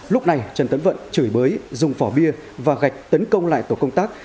lúc này trần tấn vận chửi bới dùng vỏ bia và gạch tấn công lại tổ công tác